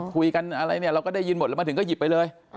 คุยกันอะไรเนี่ยเราก็ได้ยินหมดแล้วมาถึงก็หยิบไปเลย